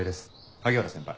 萩原先輩。